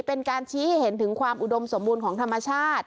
เป็นการชี้ให้เห็นถึงความอุดมสมบูรณ์ของธรรมชาติ